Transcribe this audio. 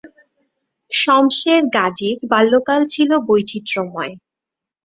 শমসের গাজীর বাল্যকাল ছিল বৈচিত্র্যময়।